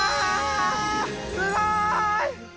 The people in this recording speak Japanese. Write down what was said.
すごい！